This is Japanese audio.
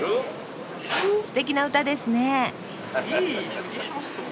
すてきな歌ですね。